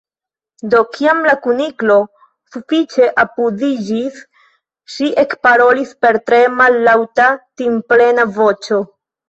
Do, kiam la Kuniklo sufiĉe apudiĝis, ŝi ekparolis per tre mallaŭta timplena voĉo.